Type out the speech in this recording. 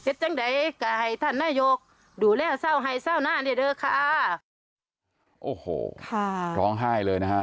โอ้โหล้องไห้เลยนะครับ